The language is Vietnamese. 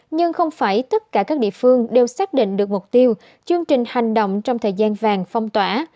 nhưng không phải tất cả các địa phương đều xác định được mục tiêu chương trình hành động trong thời gian vàng phong tỏa